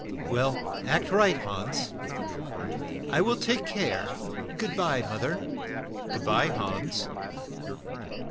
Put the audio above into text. "Well, act right. Hans." "I will take care; good by, moth er." "Good by, Hans."